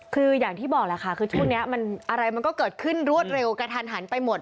คืออย่างที่บอกแหละค่ะคือช่วงนี้มันอะไรมันก็เกิดขึ้นรวดเร็วกระทันหันไปหมด